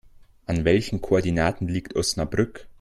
An welchen Koordinaten liegt Osnabrück?